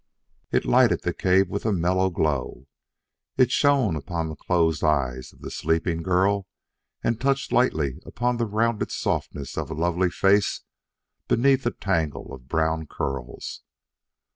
It lighted the cave with a mellow glow. It shone upon the closed eyes of the sleeping girl, and touched lightly upon the rounded softness of a lovely face beneath a tangle of brown curls.